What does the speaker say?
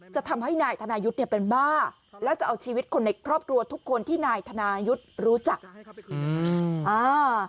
จะทำให้นายธนายุทธ์เนี่ยเป็นบ้าแล้วจะเอาชีวิตคนในครอบครัวทุกคนที่นายธนายุทธ์รู้จักอืมอ่า